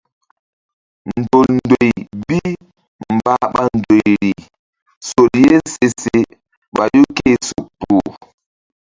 Ndol ndoy bi mbah ɓa ndoyri sol ye se se ɓayu ké-e suk kpuh.